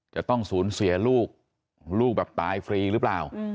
จะต้องสูญเสียลูกลูกแบบตายฟรีหรือเปล่า